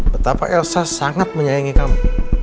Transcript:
betapa elsa sangat menyayangi kamu